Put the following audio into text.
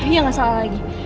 ya gak salah lagi